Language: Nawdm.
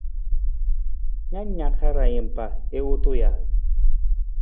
Na na hara niimpa i wutu ja?